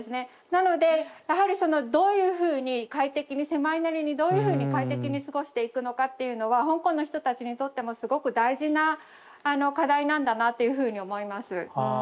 なのでやはりどういうふうに快適に狭いなりにどういうふうに快適に過ごしていくのかっていうのは香港の人たちにとってもすごく大事な課題なんだなっていうふうに思います。